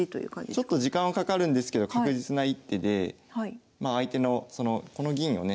ちょっと時間はかかるんですけど確実な一手でまあ相手のそのこの銀をね